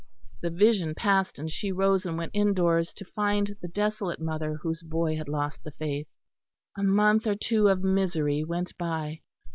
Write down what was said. The vision passed, and she rose and went indoors to find the desolate mother whose boy had lost the Faith. A month or two of misery went by.